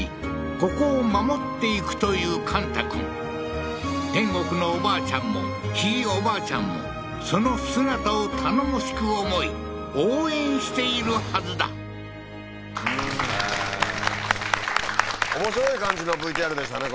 ここを守っていくという勘太くん天国のおばあちゃんもひいおばあちゃんもその姿を頼もしく思い応援しているはずだ面白い感じのＶＴＲでしたね